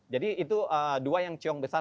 jadi itu dua yang cloning besar